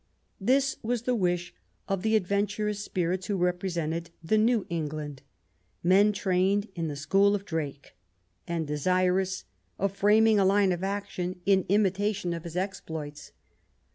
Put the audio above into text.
This was the wish of the adventurous spirits who represented the new England, men trained in the school of Drake, and desirous of framing a line of action in imitation of his exploits.